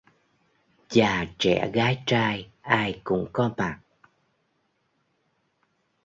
Già trẻ gái trai ai cũng có mặt